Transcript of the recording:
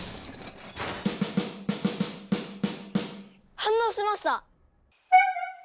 反応しました！